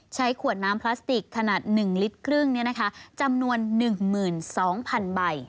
ใช้ขวดน้ำพลาสติกขนาด๑ลิตรครึ่งจำนวน๑๒๐๐๐ใบ